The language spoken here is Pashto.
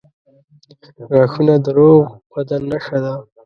• غاښونه د روغ بدن نښه ده.